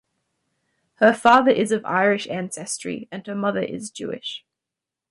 Her father is of Irish ancestry and her mother is Jewish.